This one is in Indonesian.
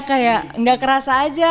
kayak gak kerasa aja